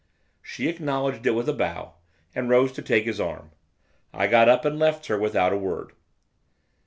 She acknowledged it with a bow, and rose to take his arm. I got up, and left her, without a word.